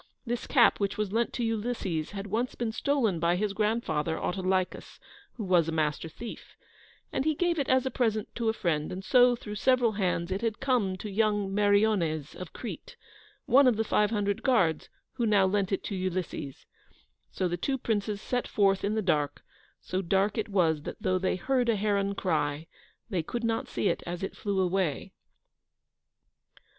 This cap which was lent to Ulysses had once been stolen by his grandfather, Autolycus, who was a Master Thief, and he gave it as a present to a friend, and so, through several hands, it had come to young Meriones of Crete, one of the five hundred guards, who now lent it to Ulysses. So the two princes set forth in the dark, so dark it was that though they heard a heron cry, they could not see it as it flew away.